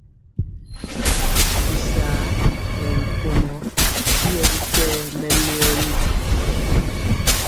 Bisar nɛ bi konɔ y yɛ bikɛɛ mɛleo ri.